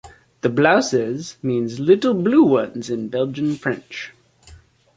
The Blauzes means "Little Blue Ones" in Belgian French.